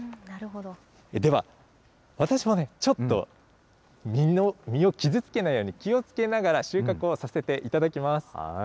では、私もね、実を傷つけないように気をつけながら、収穫をさせていただきます。